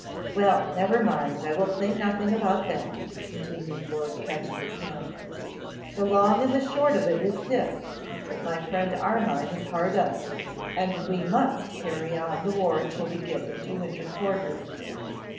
'Well, never mind, I will say nothing about that,' continued Lord Catchimwhocan. 'The long and the short of it is this, that my friend Armine is hard up, and we must carry on the war till we get into winter quarters.